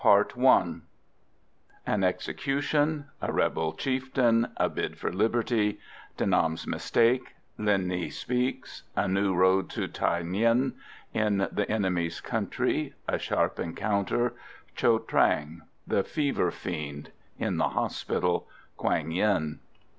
CHAPTER V An execution A rebel chieftain A bid for liberty De Nam's mistake Linh Nghi speaks A new road to Thaï Nguyen In the enemy's country A sharp encounter Cho Trang The fever fiend In the hospital Quang Yen.